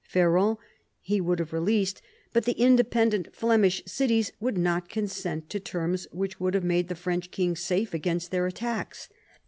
Ferrand he would have released, but the independent Flemish cities would not consent to terms which would have made the French king safe against their attacks.